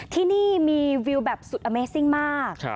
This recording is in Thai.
ที่นี่มีวิวแบบสุดอเมซิ่งมาก